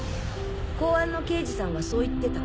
公安の刑事さんはそう言ってた。